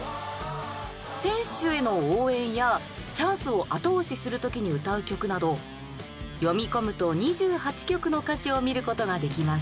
選手への応援やチャンスを後押しする時に歌う曲など読み込むと２８曲の歌詞を見ることができます。